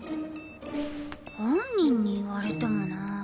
本人に言われてもなぁ。